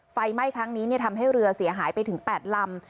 ไฟไหม้ครั้งนี้ทำให้เรือเสียหายไปถึง๘ลำ